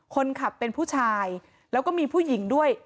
คนขับเป็นผู้ชายแล้วก็มีผู้หญิงด้วย